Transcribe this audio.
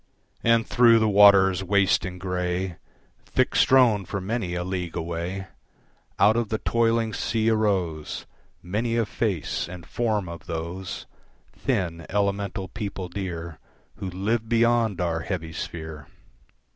And through the waters waste and grey, Thick strown for many a league away, Out of the toiling sea arose Many a face and form of those Thin, elemental people dear Who live beyond our heavy sphere.